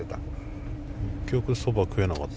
結局そば食えなかった。